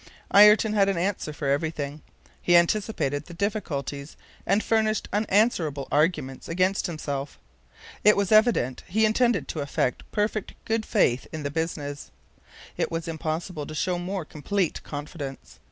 Ayrton had an answer for everything. He anticipated the difficulties and furnished unanswerable arguments against himself. It was evident he intended to affect perfect good faith in the business. It was impossible to show more complete confidence.